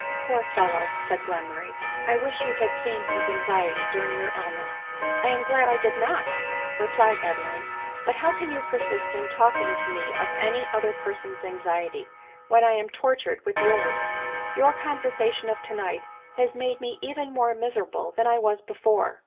" Poor fellow !" said Glenmurray, " I wish you had seen his anxiety during your illness !"" I am glad I did not" replied Adeline ;" but, how can you persist in talking to me of any other person's anxiety, when I am tortured with yours ? Your conver sation of to night has made me even more miserable than I was before.